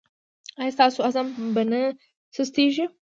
ایا ستاسو عزم به نه سستیږي؟